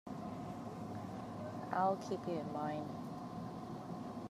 I'll keep you in mind.